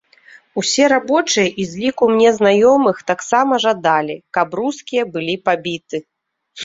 Усе рабочыя і з ліку мне знаёмых таксама жадалі, каб рускія былі пабіты.